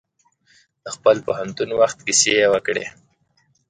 د خپل پوهنتون وخت کیسې یې وکړې.